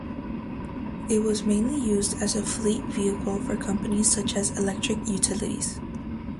It was mainly used as a fleet vehicle for companies such as electric utilities.